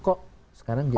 kok sekarang jadi